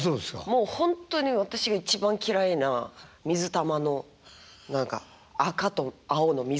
もうほんとに私が一番嫌いな水玉の何か赤と青の水玉みたいな。